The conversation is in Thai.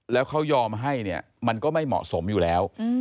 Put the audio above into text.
แล้วเขายอมให้เนี่ยมันก็ไม่เหมาะสมอยู่แล้ว